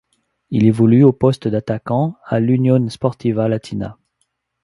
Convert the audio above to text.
Il évolue au poste d'attaquant à l'Unione Sportiva Latina.